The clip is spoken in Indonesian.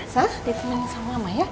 saat ditemani sama mama ya